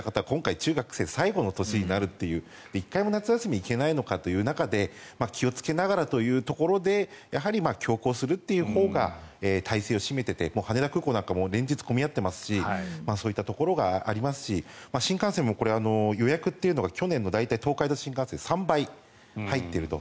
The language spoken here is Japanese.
今回で中学３年生になると１回も夏休み行けないのかという中で気をつけながらというところで強行するというほうが大勢を占めていて羽田空港なんかも連日混み合っていますしそういったところがありますし新幹線も予約というのが去年の東海道新幹線３倍入っていると。